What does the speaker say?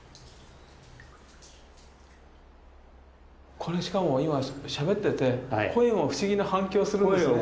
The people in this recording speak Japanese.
これしかも今しゃべってて声も不思議な反響するんですね。